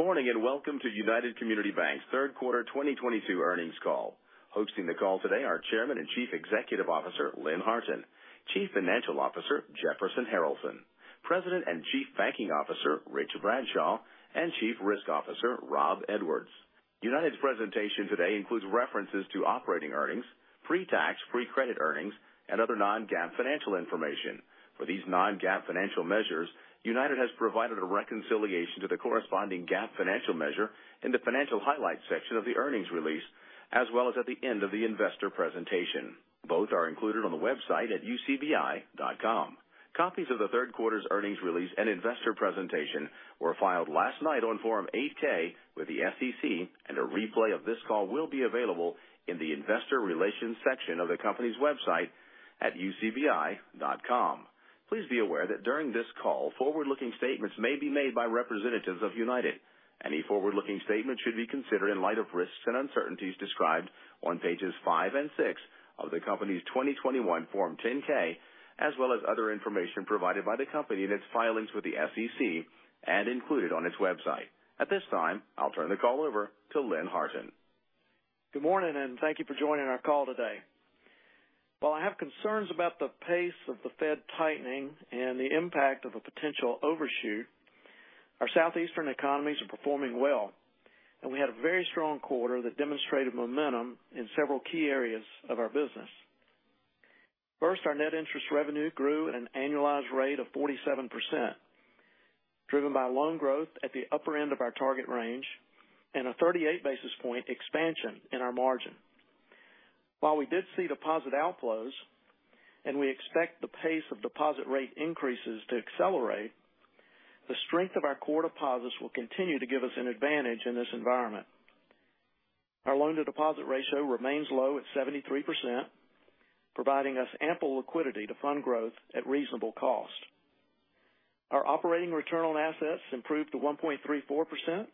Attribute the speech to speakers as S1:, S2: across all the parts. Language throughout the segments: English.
S1: Good morning, and welcome to United Community Banks' third quarter 2022 earnings call. Hosting the call today are Chairman and Chief Executive Officer, Lynn Harton, Chief Financial Officer, Jefferson Harralson, President and Chief Banking Officer, Rich Bradshaw, and Chief Risk Officer, Rob Edwards. United's presentation today includes references to operating earnings, pre-tax, pre-provision earnings, and other non-GAAP financial information. For these non-GAAP financial measures, United has provided a reconciliation to the corresponding GAAP financial measure in the Financial Highlights section of the earnings release, as well as at the end of the investor presentation. Both are included on the website at ucbi.com. Copies of the third quarter's earnings release and investor presentation were filed last night on Form 8-K with the SEC, and a replay of this call will be available in the Investor Relations section of the company's website at ucbi.com. Please be aware that during this call, forward-looking statements may be made by representatives of United. Any forward-looking statements should be considered in light of risks and uncertainties described on pages five and six of the company's 2021 Form 10-K, as well as other information provided by the company in its filings with the SEC and included on its website. At this time, I'll turn the call over to Lynn Harton.
S2: Good morning, and thank you for joining our call today. While I have concerns about the pace of the Fed tightening and the impact of a potential overshoot, our Southeastern economies are performing well, and we had a very strong quarter that demonstrated momentum in several key areas of our business. First, our net interest revenue grew at an annualized rate of 47%, driven by loan growth at the upper end of our target range and a 38 basis point expansion in our margin. While we did see deposit outflows, and we expect the pace of deposit rate increases to accelerate, the strength of our core deposits will continue to give us an advantage in this environment. Our loan-to-deposit ratio remains low at 73%, providing us ample liquidity to fund growth at reasonable cost. Our operating return on assets improved to 1.34%.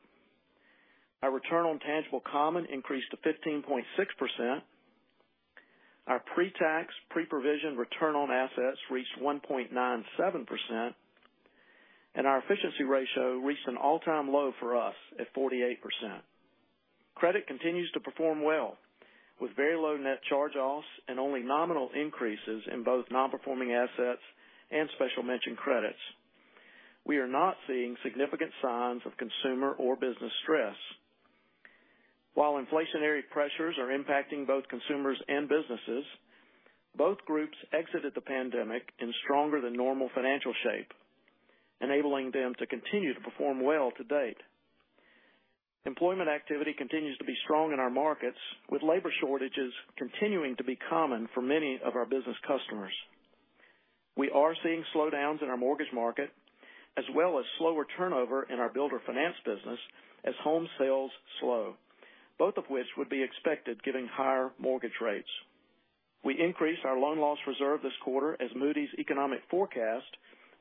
S2: Our return on tangible common increased to 15.6%. Our pre-tax, pre-provision return on assets reached 1.97%, and our efficiency ratio reached an all-time low for us at 48%. Credit continues to perform well, with very low net charge-offs and only nominal increases in both non-performing assets and special mention credits. We are not seeing significant signs of consumer or business stress. While inflationary pressures are impacting both consumers and businesses, both groups exited the pandemic in stronger than normal financial shape, enabling them to continue to perform well to date. Employment activity continues to be strong in our markets, with labor shortages continuing to be common for many of our business customers. We are seeing slowdowns in our mortgage market, as well as slower turnover in our builder finance business as home sales slow, both of which would be expected given higher mortgage rates. We increased our loan loss reserve this quarter as Moody's economic forecast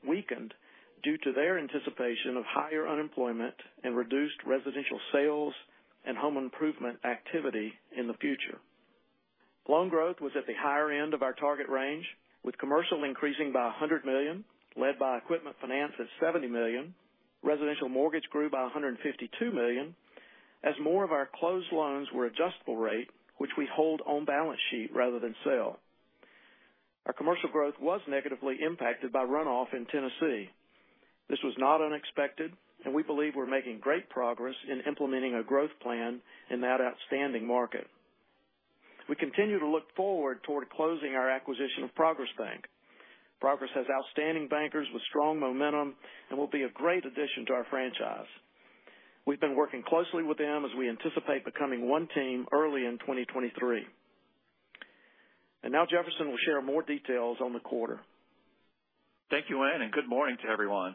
S2: weakened due to their anticipation of higher unemployment and reduced residential sales and home improvement activity in the future. Loan growth was at the higher end of our target range, with commercial increasing by $100 million, led by equipment finance at $70 million. Residential mortgage grew by $152 million, as more of our closed loans were adjustable rate, which we hold on balance sheet rather than sell. Our commercial growth was negatively impacted by runoff in Tennessee. This was not unexpected, and we believe we're making great progress in implementing a growth plan in that outstanding market. We continue to look forward toward closing our acquisition of Progress Bank. Progress has outstanding bankers with strong momentum and will be a great addition to our franchise. We've been working closely with them as we anticipate becoming one team early in 2023. Now Jefferson will share more details on the quarter.
S3: Thank you, Lynn, and good morning to everyone.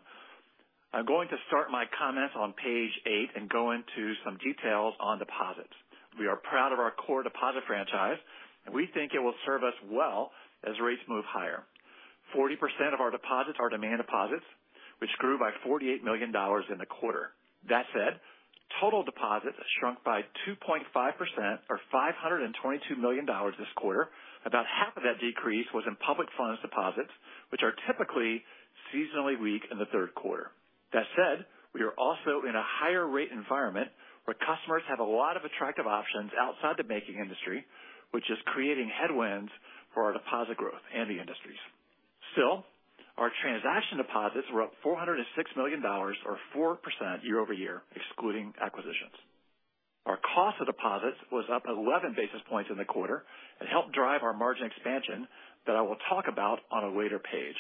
S3: I'm going to start my comments on page eight and go into some details on deposits. We are proud of our core deposit franchise, and we think it will serve us well as rates move higher. 40% of our deposits are demand deposits, which grew by $48 million in the quarter. That said, total deposits shrunk by 2.5% or $522 million this quarter. About half of that decrease was in public funds deposits, which are typically seasonally weak in the third quarter. That said, we are also in a higher rate environment where customers have a lot of attractive options outside the banking industry, which is creating headwinds for our deposit growth and the industry's. Still, our transaction deposits were up $406 million or 4% year-over-year, excluding acquisitions. Our cost of deposits was up 11 basis points in the quarter and helped drive our margin expansion that I will talk about on a later page.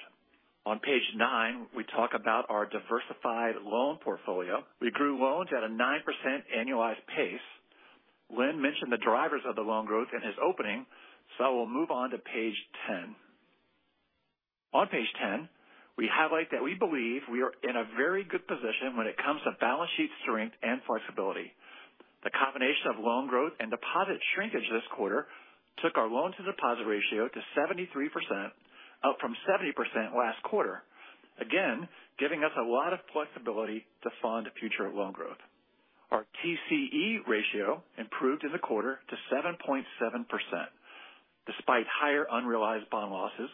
S3: On page nine, we talk about our diversified loan portfolio. We grew loans at a 9% annualized pace. Lynn mentioned the drivers of the loan growth in his opening, so I will move on to page ten. On page ten, we highlight that we believe we are in a very good position when it comes to balance sheet strength and flexibility. The combination of loan growth and deposit shrinkage this quarter took our loan-to-deposit ratio to 73%, up from 70% last quarter. Again, giving us a lot of flexibility to fund future loan growth. Our TCE ratio improved in the quarter to 7.7%. Despite higher unrealized bond losses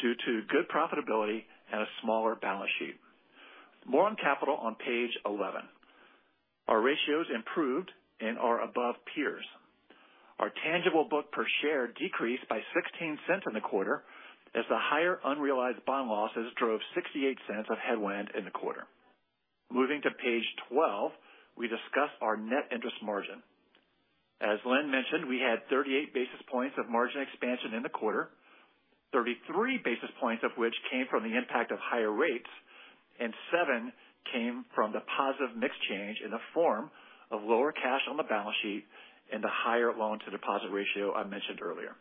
S3: due to good profitability and a smaller balance sheet. More on capital on page 11. Our ratios improved and are above peers. Our tangible book per share decreased by $0.16 in the quarter as the higher unrealized bond losses drove $0.68 of headwind in the quarter. Moving to page 12 ,we discuss our net interest margin. As Lynn mentioned, we had 38 basis points of margin expansion in the quarter, 33 basis points of which came from the impact of higher rates, and 7 came from the positive mix change in the form of lower cash on the balance sheet and the higher loan-to-deposit ratio I mentioned earlier.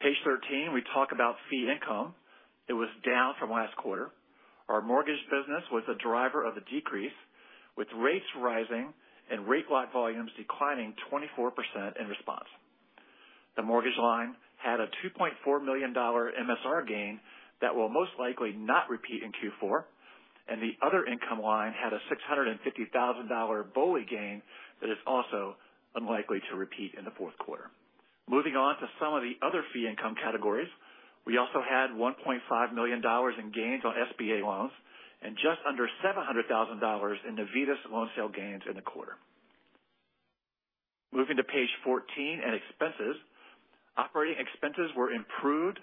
S3: Page 13, we talk about fee income. It was down from last quarter. Our mortgage business was a driver of the decrease, with rates rising and rate lock volumes declining 24% in response. The mortgage line had a $2.4 million MSR gain that will most likely not repeat in Q4, and the other income line had a $650,000 BOLI gain that is also unlikely to repeat in the fourth quarter. Moving on to some of the other fee income categories, we also had $1.5 million in gains on SBA loans and just under $700,000 in Navitas loan sale gains in the quarter. Moving to page 14 and expenses. Operating expenses were improved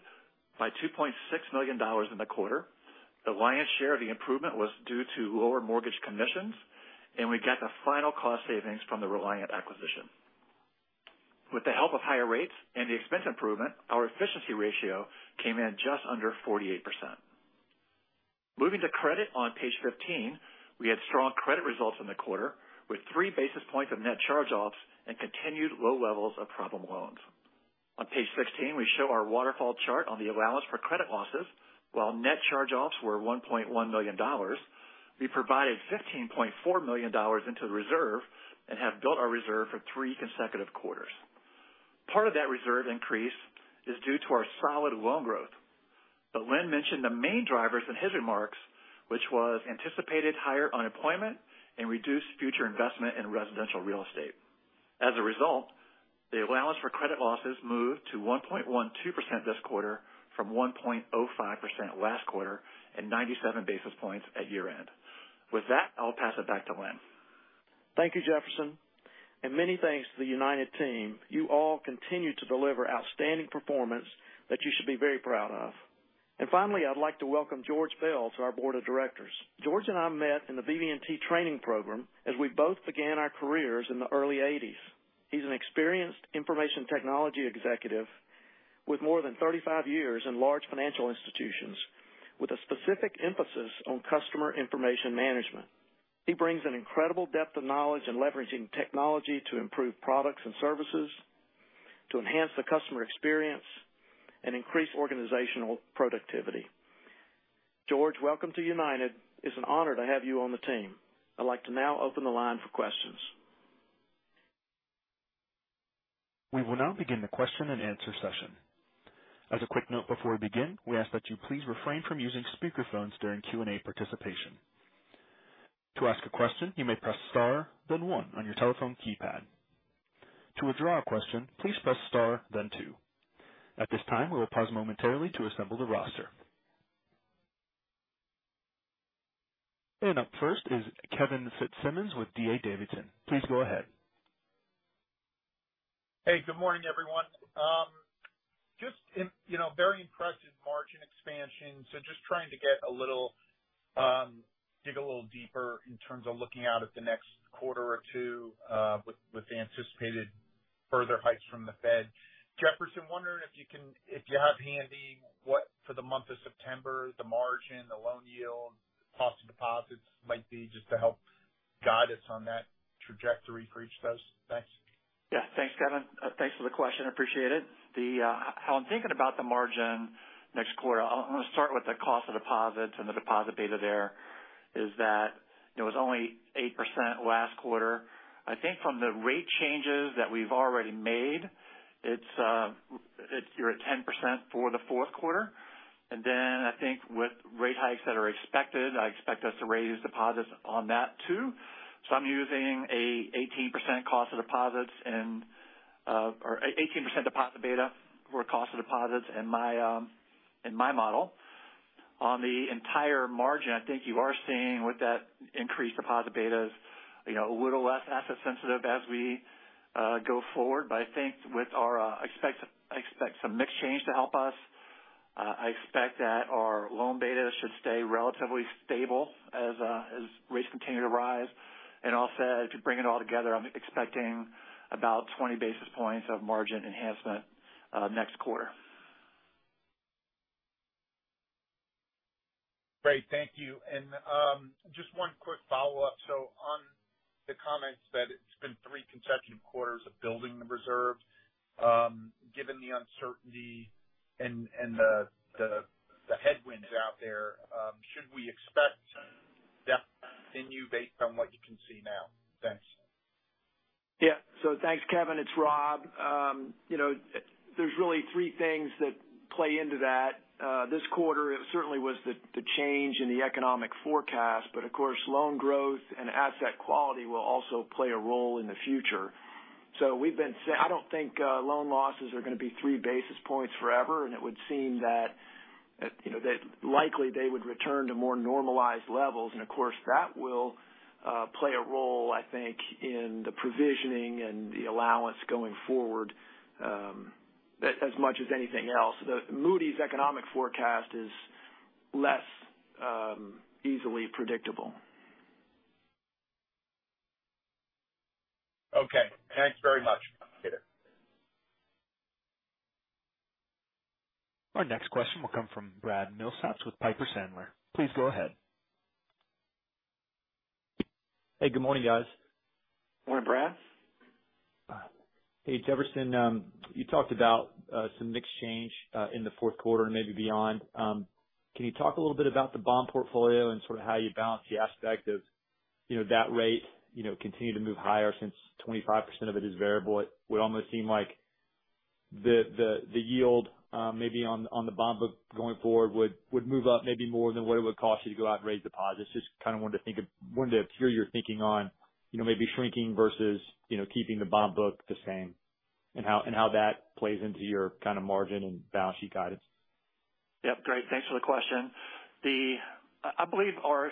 S3: by $2.6 million in the quarter. The lion's share of the improvement was due to lower mortgage commissions, and we get the final cost savings from the Reliant acquisition. With the help of higher rates and the expense improvement, our efficiency ratio came in just under 48%. Moving to credit on page 15. We had strong credit results in the quarter with 3 basis points of net charge-offs and continued low levels of problem loans. On page 16, we show our waterfall chart on the allowance for credit losses. While net charge-offs were $1.1 million, we provided $15.4 million into the reserve and have built our reserve for three consecutive quarters. Part of that reserve increase is due to our solid loan growth. Lynn mentioned the main drivers in his remarks, which was anticipated higher unemployment and reduced future investment in residential real estate. As a result, the allowance for credit losses moved to 1.12% this quarter from 1.05% last quarter and 97 basis points at year-end. With that, I'll pass it back to Lynn.
S2: Thank you, Jefferson, and many thanks to the United Team. You all continue to deliver outstanding performance that you should be very proud of. Finally, I'd like to welcome George Boyan to our board of directors. George and I met in the BB&T training program as we both began our careers in the early eighties. He's an experienced information technology executive with more than 35 years in large financial institutions, with a specific emphasis on customer information management. He brings an incredible depth of knowledge in leveraging technology to improve products and services, to enhance the customer experience, and increase organizational productivity. George, welcome to United. It's an honor to have you on the team. I'd like to now open the line for questions.
S1: We will now begin the question and answer session. Up first is Kevin Fitzsimmons with D.A. Davidson. Please go ahead.
S4: Hey, good morning, everyone. You know, very impressed with margin expansion. Just trying to dig a little deeper in terms of looking out at the next quarter or two, with the anticipated further hikes from the Fed. Jefferson, wondering if you can, if you have handy, what for the month of September, the margin, the loan yield, cost of deposits might be just to help guide us on that trajectory for each of those. Thanks. Yeah. Thanks, Kevin. Thanks for the question. Appreciate it. How I'm thinking about the margin next quarter, I wanna start with the cost of deposits and the deposit beta is that it was only 8% last quarter. I think from the rate changes that we've already made, it's 10% for the fourth quarter. I think with rate hikes that are expected, I expect us to raise deposits on that too. I'm using an 18% cost of deposits or 18% deposit beta for cost of deposits in my model. On the entire margin, I think you are seeing with that increased deposit betas, you know, a little less asset sensitive as we go forward.
S3: I think with our expected mix change to help us. I expect that our loan beta should stay relatively stable as rates continue to rise. All said, if you bring it all together, I'm expecting about 20 basis points of margin enhancement next quarter.
S4: Great. Thank you. Just one quick follow-up. On the comments that it's been three consecutive quarters of building the reserves, given the uncertainty and the headwinds out there, should we expect that to continue based on what you can see now? Thanks.
S5: Yeah. Thanks, Kevin. It's Rob. You know, there's really three things that- Plays into that, this quarter certainly was the change in the economic forecast, but of course, loan growth and asset quality will also play a role in the future. I don't think loan losses are going to be 3 basis points forever, and it would seem that, you know, that likely they would return to more normalized levels. Of course, that will play a role, I think, in the provisioning and the allowance going forward, as much as anything else. The Moody's economic forecast is less easily predictable.
S4: Okay. Thanks very much. Later.
S1: Our next question will come from Brad Milsaps with Piper Sandler. Please go ahead.
S6: Hey, good morning, guys.
S3: Morning, Brad.
S6: Hey, Jefferson. You talked about some mix change in the fourth quarter and maybe beyond. Can you talk a little bit about the bond portfolio and sort of how you balance the aspect of, you know, that rate, you know, continue to move higher since 25% of it is variable? It would almost seem like the yield, maybe on the bond book going forward would move up maybe more than what it would cost you to go out and raise deposits. Just kind of wanted to hear your thinking on, you know, maybe shrinking versus, you know, keeping the bond book the same and how that plays into your kind of margin and balance sheet guidance.
S3: Yep. Great. Thanks for the question. I believe our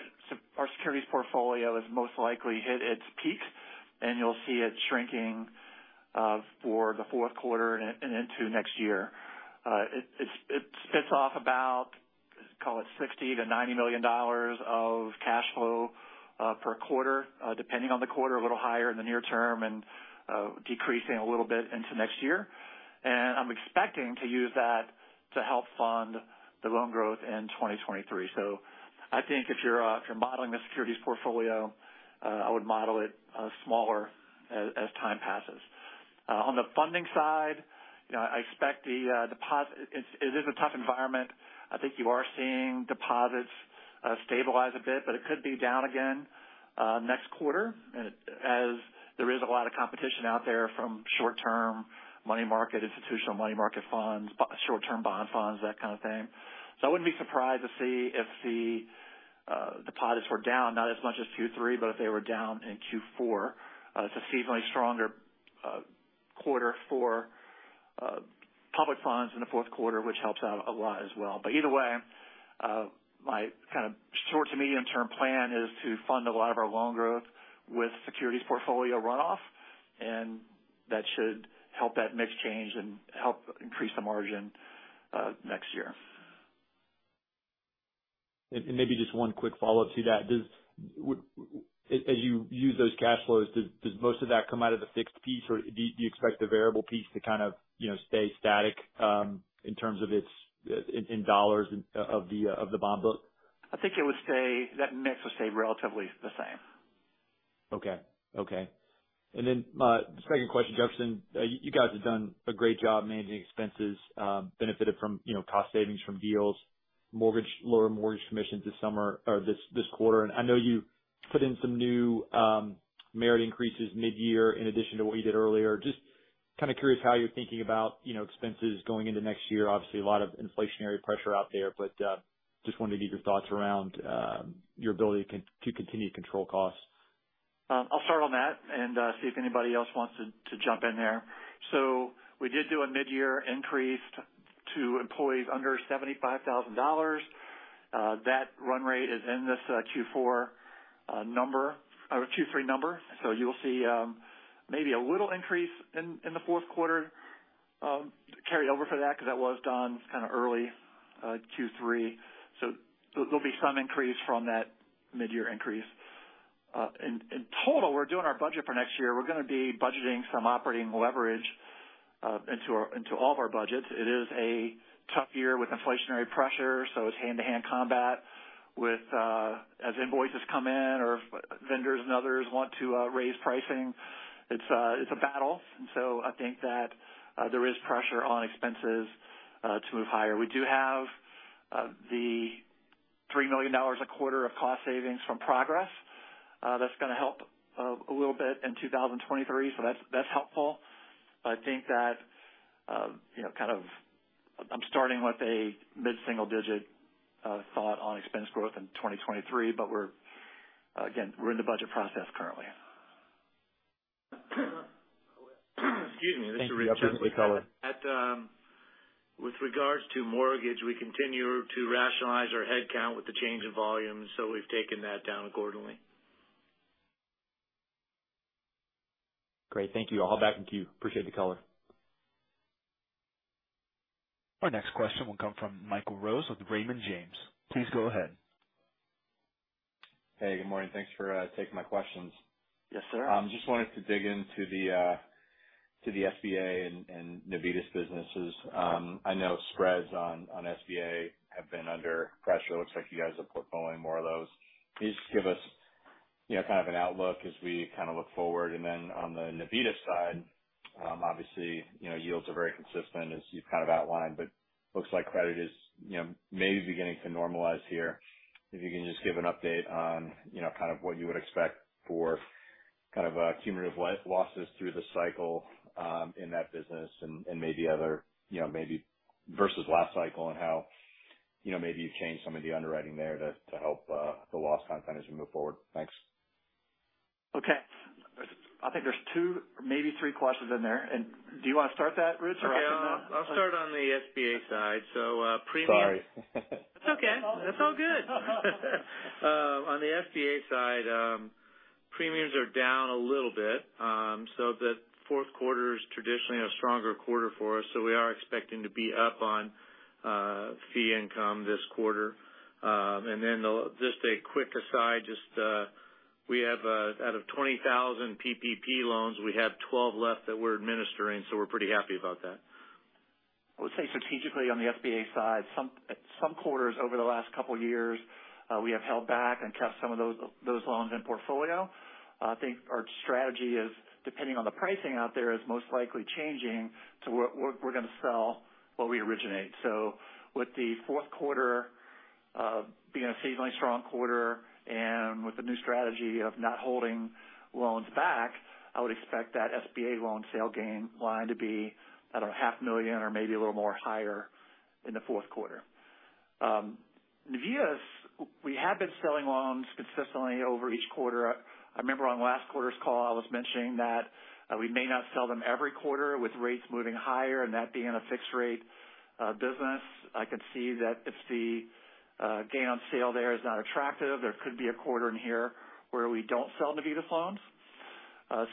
S3: securities portfolio has most likely hit its peak, and you'll see it shrinking for the fourth quarter and into next year. It spits off about, call it $60 million-$90 million of cash flow per quarter, depending on the quarter, a little higher in the near term and decreasing a little bit into next year. I'm expecting to use that to help fund the loan growth in 2023. I think if you're modeling the securities portfolio, I would model it smaller as time passes. On the funding side, you know, I expect the deposit. It is a tough environment. I think you are seeing deposits stabilize a bit, but it could be down again next quarter as there is a lot of competition out there from short-term money market, institutional money market funds, short-term bond funds, that kind of thing. I wouldn't be surprised to see if the deposits were down, not as much as Q3, but if they were down in Q4. It's a seasonally stronger quarter for public funds in the fourth quarter, which helps out a lot as well. Either way, my kind of short to medium term plan is to fund a lot of our loan growth with securities portfolio runoff, and that should help that mix change and help increase the margin next year.
S6: Maybe just one quick follow-up to that. As you use those cash flows, does most of that come out of the fixed piece, or do you expect the variable piece to kind of, you know, stay static in terms of its in dollars of the bond book?
S3: I think that mix would stay relatively the same.
S6: Second question, Jefferson. You guys have done a great job managing expenses, benefited from, you know, cost savings from deals, mortgage, lower mortgage commissions this summer or this quarter. I know you put in some new merit increases mid-year in addition to what you did earlier. Just kind of curious how you're thinking about, you know, expenses going into next year. Obviously, a lot of inflationary pressure out there, but just wanted to get your thoughts around your ability to continue to control costs.
S3: I'll start on that and see if anybody else wants to jump in there. We did do a mid-year increase to employees under $75,000. That run rate is in this Q4 number or Q3 number. You'll see maybe a little increase in the fourth quarter carry over for that because that was done kind of early Q3. There'll be some increase from that mid-year increase. In total, we're doing our budget for next year. We're going to be budgeting some operating leverage into all of our budgets. It is a tough year with inflationary pressure, so it's hand-to-hand combat with as invoices come in or vendors and others want to raise pricing. It's a battle. I think that there is pressure on expenses to move higher. We do have the $3 million a quarter of cost savings from Progress. That's going to help a little bit in 2023, so that's helpful. I think that you know, kind of I'm starting with a mid-single digit thought on expense growth in 2023, but we're again in the budget process currently.
S7: Excuse me.
S1: Thank you. Appreciate the color.
S7: With regards to mortgage, we continue to rationalize our head count with the change in volume, so we've taken that down accordingly.
S6: Great. Thank you. I'll hop back into queue. Appreciate the color.
S1: Our next question will come from Michael Rose with Raymond James. Please go ahead.
S8: Hey, good morning. Thanks for taking my questions.
S3: Yes, sir.
S8: Just wanted to dig into the SBA and Navitas businesses. I know spreads on SBA have been under pressure. It looks like you guys are portfolioing more of those. Can you just give us, you know, kind of an outlook as we kind of look forward? Then on the Navitas side, obviously, you know, yields are very consistent as you've kind of outlined, but looks like credit is, you know, maybe beginning to normalize here. If you can just give an update on, you know, kind of what you would expect for kind of cumulative losses through the cycle in that business and maybe other, you know, maybe versus last cycle and how, you know, maybe you've changed some of the underwriting there to help the loss content as you move forward. Thanks.
S3: Okay. I think there's two, maybe three questions in there. Do you want to start that, Rich, or do you want me to?
S7: I'll start on the SBA side. Premiums.
S8: Sorry.
S7: It's okay. It's all good. On the SBA side, premiums are down a little bit. The fourth quarter is traditionally a stronger quarter for us, so we are expecting to be up on fee income this quarter. Just a quick aside, out of 20,000 PPP loans, we have 12 left that we're administering, so we're pretty happy about that.
S3: I would say strategically on the SBA side, some quarters over the last couple years, we have held back and kept some of those loans in portfolio. I think our strategy is, depending on the pricing out there, is most likely changing to we're gonna sell what we originate. With the fourth quarter being a seasonally strong quarter and with the new strategy of not holding loans back, I would expect that SBA loan sale gain line to be at a $ 0.5million or maybe a little more higher in the fourth quarter. Navitas, we have been selling loans consistently over each quarter. I remember on last quarter's call, I was mentioning that we may not sell them every quarter with rates moving higher and that being a fixed rate business. I could see that if the gain on sale there is not attractive, there could be a quarter in here where we don't sell Navitas loans. I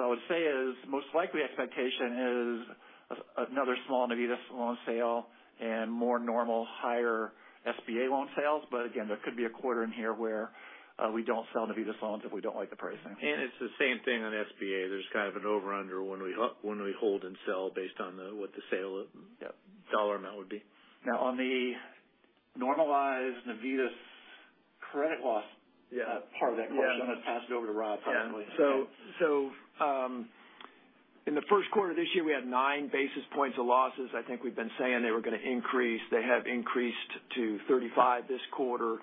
S3: would say is most likely expectation is another small Navitas loan sale and more normal higher SBA loan sales. Again, there could be a quarter in here where we don't sell Navitas loans if we don't like the pricing.
S7: It's the same thing on SBA. There's kind of an over-under when we hold and sell based on what the sale
S3: Yep
S7: Dollar amount would be.
S3: Now, on the normalized Navitas credit loss.
S7: Yeah.
S3: Part of that question.
S7: Yeah.
S3: I'm gonna pass it over to Rob, finally.
S7: Yeah.
S8: Okay.
S3: So.
S5: In the first quarter of this year, we had 9 basis points of losses. I think we've been saying they were gonna increase. They have increased to 35 this quarter.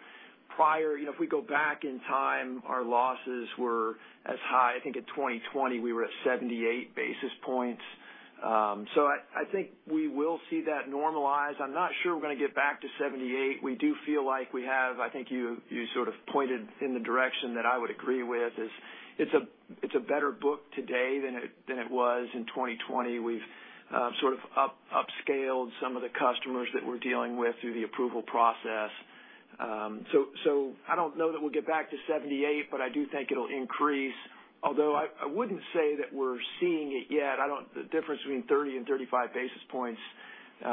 S5: Prior, you know, if we go back in time, our losses were as high, I think at 2020, we were at 78 basis points. I think we will see that normalize. I'm not sure we're gonna get back to 78. We do feel like we have. I think you sort of pointed in the direction that I would agree with, is it's a better book today than it was in 2020. We've sort of upscaled some of the customers that we're dealing with through the approval process. I don't know that we'll get back to 78, but I do think it'll increase. Although I wouldn't say that we're seeing it yet. The difference between 30 and 35 basis points,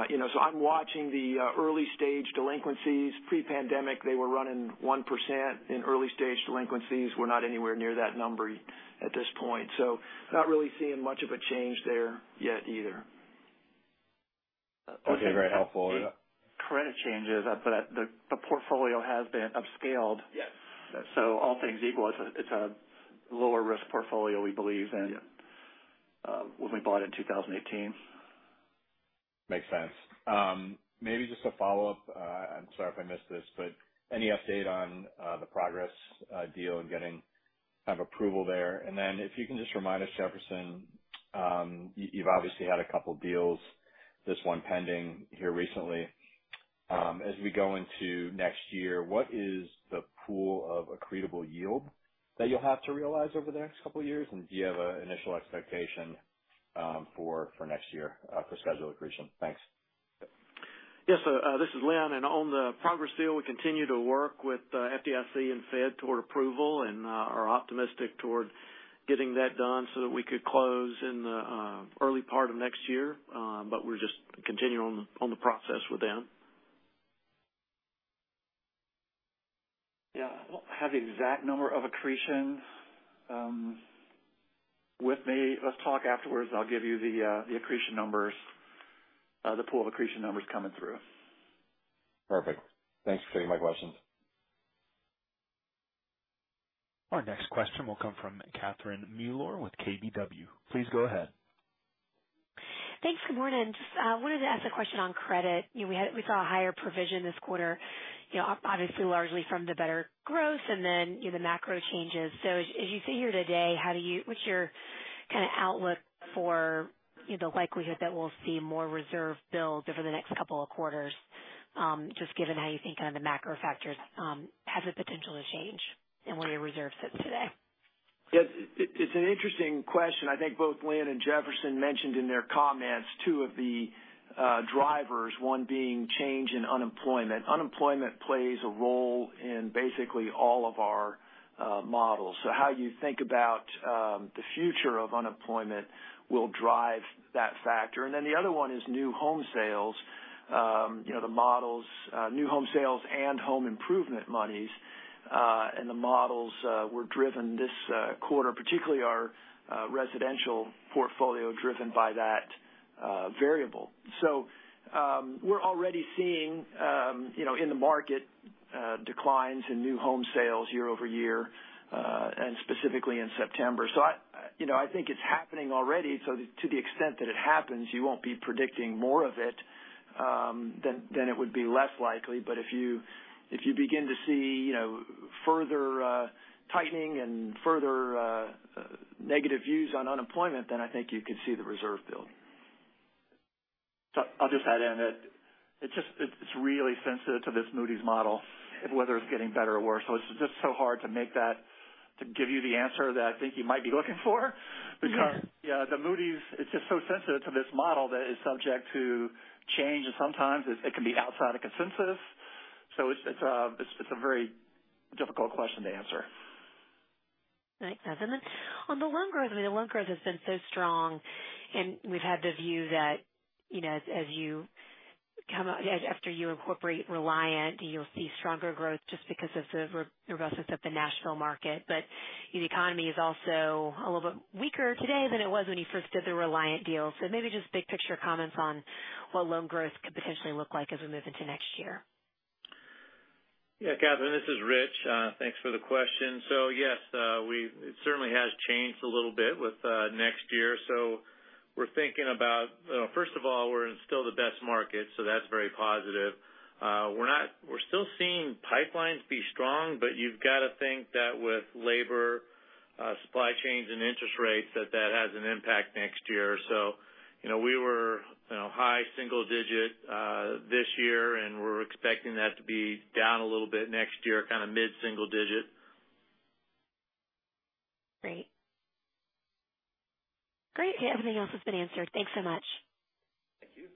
S5: you know. I'm watching the early-stage delinquencies. Pre-pandemic, they were running 1% in early-stage delinquencies. We're not anywhere near that number at this point. Not really seeing much of a change there yet either.
S8: Okay. Very helpful.
S3: The credit changes, the portfolio has been upscaled.
S7: Yes.
S3: All things equal, it's a lower risk portfolio, we believe than-
S7: Yeah
S3: when we bought in 2018.
S8: Makes sense. Maybe just a follow-up. I'm sorry if I missed this, but any update on the Progress deal and getting kind of approval there? and then if you can just remind us, Jefferson, you've obviously had a couple deals, this one pending here recently. As we go into next year, what is the pool of accretable yield that you'll have to realize over the next couple years? and do you have an initial expectation for next year for schedule accretion? Thanks.
S2: Yes. This is Lynn. On the Progress deal, we continue to work with FDIC and Fed toward approval and are optimistic toward getting that done so that we could close in the early part of next year. We're just continuing on the process with them.
S3: Yeah. I don't have the exact number of accretions with me. Let's talk afterwards. I'll give you the accretion numbers, the pool of accretion numbers coming through.
S8: Perfect. Thanks for taking my questions.
S1: Our next question will come from Catherine Mealor with KBW. Please go ahead.
S9: Thanks. Good morning. Just wanted to ask a question on credit. You know, we saw a higher provision this quarter, you know, obviously largely from the better growth and then, you know, the macro changes. As you sit here today, what's your kind of outlook for, you know, the likelihood that we'll see more reserve builds over the next couple of quarters, just given how you think kind of the macro factors have the potential to change and where your reserve sits today?
S5: Yes. It's an interesting question. I think both Lynn and Jefferson mentioned in their comments two of the drivers, one being change in unemployment. Unemployment plays a role in basically all of our models. How you think about the future of unemployment will drive that factor. The other one is new home sales. You know, the models, new home sales and home improvement monies, were driven this quarter, particularly our residential portfolio driven by that variable. We're already seeing, you know, in the market, declines in new home sales year-over-year and specifically in September. I, you know, think it's happening already. To the extent that it happens, you won't be predicting more of it.
S7: It would be less likely. If you begin to see, you know, further tightening and further negative views on unemployment, then I think you could see the reserve build.
S3: I'll just add in that it's just really sensitive to this Moody's model of whether it's getting better or worse. It's just so hard to make that, to give you the answer that I think you might be looking for because, yeah, the Moody's, it's just so sensitive to this model that is subject to change, and sometimes it can be outside of consensus. It's a very difficult question to answer.
S9: Right. On the loan growth, I mean, the loan growth has been so strong, and we've had the view that, you know, as after you incorporate Reliant, you'll see stronger growth just because of the robustness of the Nashville market. The economy is also a little bit weaker today than it was when you first did the Reliant deal. Maybe just big picture comments on what loan growth could potentially look like as we move into next year.
S7: Yeah, Catherine, this is Rich. Thanks for the question. Yes, it certainly has changed a little bit with next year. We're thinking about first of all, we're still in the best market, so that's very positive. We're still seeing pipelines be strong, but you've got to think that with labor, supply chains, and interest rates, that has an impact next year. You know, we were, you know, high single digit this year, and we're expecting that to be down a little bit next year, kind of mid-single digit.
S9: Great. Everything else has been answered. Thanks so much.
S7: Thank you.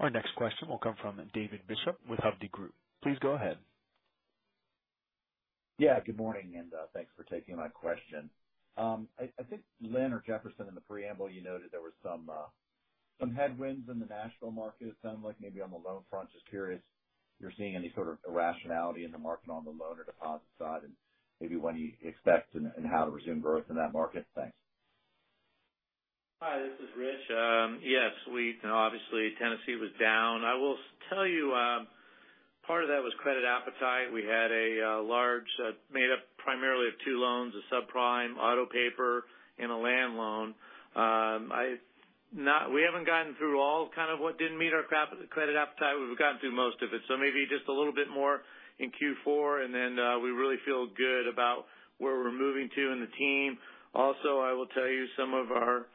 S1: Our next question will come from David Bishop with Hovde Group. Please go ahead.
S10: Yeah, good morning, and thanks for taking my question. I think Lynn or Jefferson, in the preamble, you noted there were some headwinds in the Nashville market, it sounded like maybe on the loan front. Just curious if you're seeing any sort of irrationality in the market on the loan or deposit side, and maybe when you expect and how to resume growth in that market. Thanks.
S7: Hi, this is Rich. Yes, obviously Tennessee was down. I will tell you, part of that was credit appetite. We had a large made up primarily of two loans, a subprime auto paper and a land loan. We haven't gotten through all kind of what didn't meet our credit appetite. We've gotten through most of it. Maybe just a little bit more in Q4, and then we really feel good about where we're moving to in the team. Also, I will tell you some of our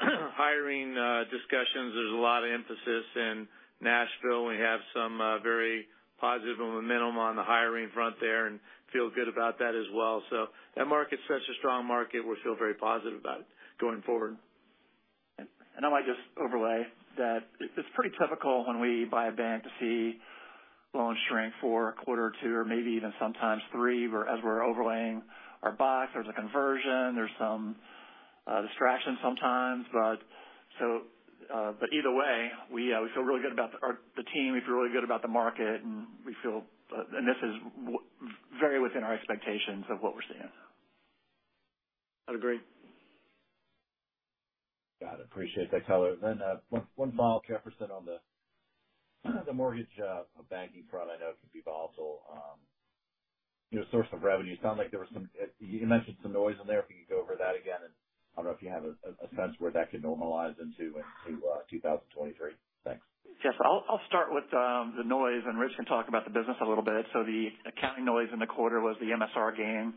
S7: hiring discussions, there's a lot of emphasis in Nashville, and we have some very positive momentum on the hiring front there and feel good about that as well. That market's such a strong market, we feel very positive about it going forward.
S3: I might just overlay that it's pretty typical when we buy a bank to see loans shrink for a quarter or two or maybe even sometimes three as we're overlaying our box. There's a conversion. There's some distraction sometimes. Either way, we feel really good about our team. We feel really good about the market, and we feel and this is very within our expectations of what we're seeing.
S7: I'd agree.
S10: Got it. Appreciate that color. One follow-up, Jefferson, on the mortgage banking front. I know it can be a volatile, you know, source of revenue. It sounded like there was some, you mentioned some noise in there. If you could go over that again, and I don't know if you have a sense where that could normalize into in 2023. Thanks.
S3: Yes. I'll start with the noise, and Rich can talk about the business a little bit. The accounting noise in the quarter was the MSR gain,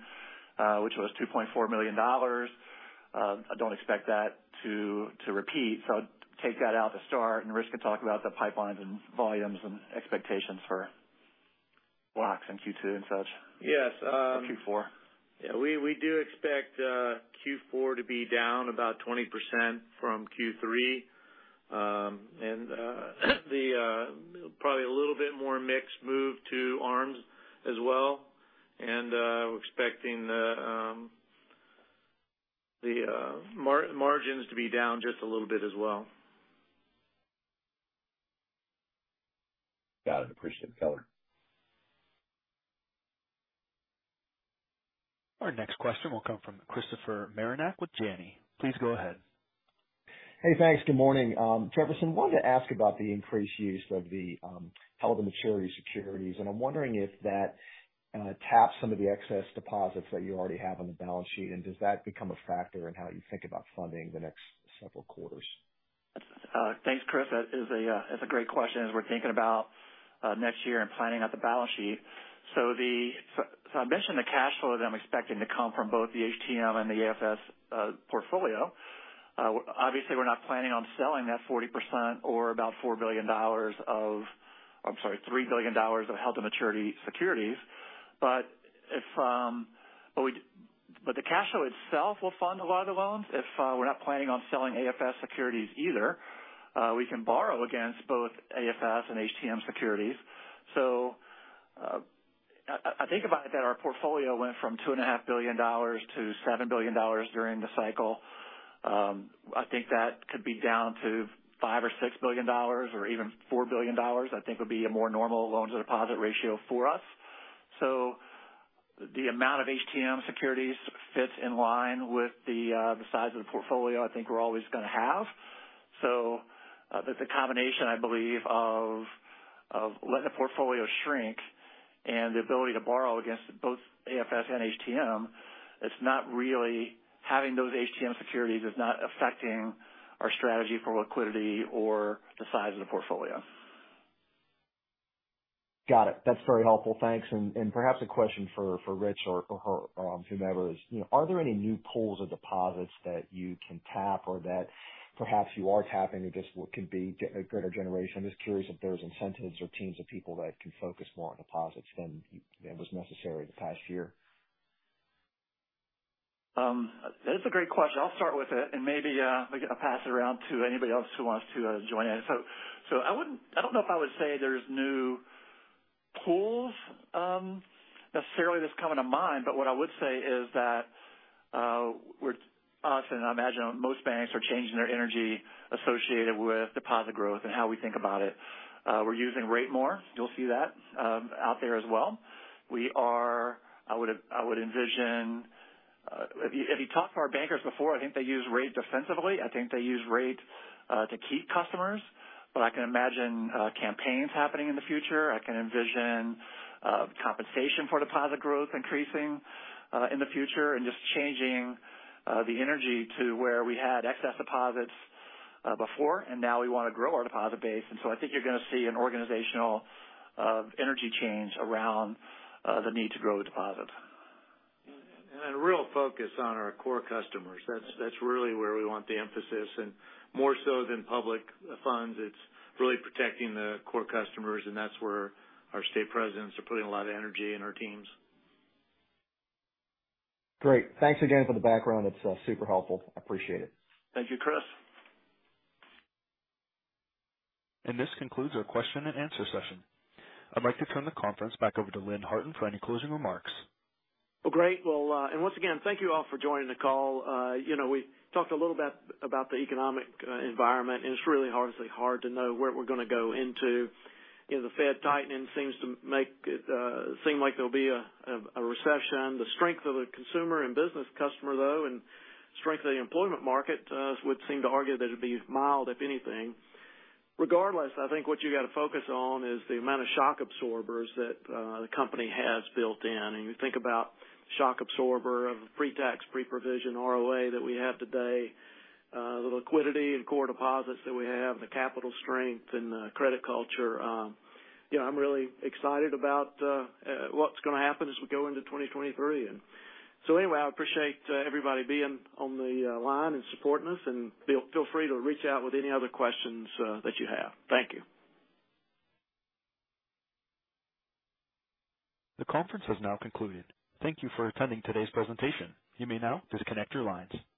S3: which was $2.4 million. I don't expect that to repeat, so take that out to start, and Rich can talk about the pipelines and volumes and expectations for walks in Q2 and such.
S7: Yes.
S3: Q4.
S7: Yeah, we do expect Q4 to be down about 20% from Q3. Probably a little bit more mixed move to ARMs as well. We're expecting the margins to be down just a little bit as well.
S10: Got it. Appreciate the color.
S1: Our next question will come from Christopher Marinac with Janney. Please go ahead.
S11: Hey, thanks. Good morning. Jefferson, wanted to ask about the increased use of the held to maturity securities, and I'm wondering if that taps some of the excess deposits that you already have on the balance sheet, and does that become a factor in how you think about funding the next several quarters?
S3: Thanks, Chris. That is a great question as we're thinking about next year and planning out the balance sheet. I mentioned the cash flow that I'm expecting to come from both the HTM and the AFS portfolio. Obviously, we're not planning on selling that 40% or about $4 billion. I'm sorry, $3 billion of held to maturity securities. The cash flow itself will fund a lot of the loans. We're not planning on selling AFS securities either. We can borrow against both AFS and HTM securities. I think about it that our portfolio went from $2.5 billion - $7 billion during the cycle. I think that could be down to $5 billion or $6 billion or even $4 billion, I think would be a more normal loan-to-deposit ratio for us. The amount of HTM securities fits in line with the size of the portfolio I think we're always gonna have. The combination, I believe, of letting the portfolio shrink and the ability to borrow against both AFS and HTM, it's not really having those HTM securities is not affecting our strategy for liquidity or the size of the portfolio.
S11: Got it. That's very helpful. Thanks. Perhaps a question for Rich or whomever is. You know, are there any new pools of deposits that you can tap or that perhaps you are tapping, that is, what could be generating a greater generation? I'm just curious if there's incentives or teams of people that can focus more on deposits than was necessary the past year.
S3: That is a great question. I'll start with it and maybe we can pass it around to anybody else who wants to join in. I don't know if I would say there's new pools necessarily that's coming to mind, but what I would say is that we're constantly, and I imagine most banks are changing their energy associated with deposit growth and how we think about it. We're using rate more. You'll see that out there as well. I would envision if you talk to our bankers before, I think they use rate defensively. I think they use rate to keep customers. But I can imagine campaigns happening in the future. I can envision compensation for deposit growth increasing in the future and just changing the energy to where we had excess deposits before, and now we wanna grow our deposit base. I think you're gonna see an organizational energy change around the need to grow deposits.
S2: A real focus on our core customers. That's really where we want the emphasis. More so than public funds, it's really protecting the core customers, and that's where our state presidents are putting a lot of energy in our teams.
S11: Great. Thanks again for the background. It's super helpful. I appreciate it.
S2: Thank you, Chris.
S1: This concludes our question and answer session. I'd like to turn the conference back over to Lynn Harton for any closing remarks.
S2: Well, great. Well, once again, thank you all for joining the call. You know, we talked a little bit about the economic environment, and it's really obviously hard to know where we're gonna go into. You know, the Fed tightening seems to make it seem like there'll be a recession. The strength of the consumer and business customer, though, and strength of the employment market would seem to argue that it'd be mild, if anything. Regardless, I think what you gotta focus on is the amount of shock absorbers that the company has built in. You think about shock absorber of pre-tax, pre-provision ROA that we have today, the liquidity and core deposits that we have, the capital strength and the credit culture, you know, I'm really excited about what's gonna happen as we go into 2023. Anyway, I appreciate everybody being on the line and supporting us, and feel free to reach out with any other questions that you have. Thank you.
S1: The conference has now concluded. Thank you for attending today's presentation. You may now disconnect your lines.